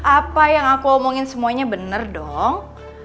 apa yang aku omongin semuanya benar dong